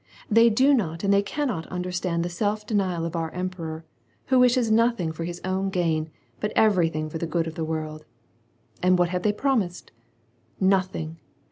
They do not and they caimot understand the self denial of our emperor, who wishes nothing for his own gain, but everything for the good of the world. And what have they promised ? Nothing